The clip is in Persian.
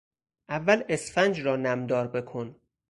اول اسفنج را نمدار بکن.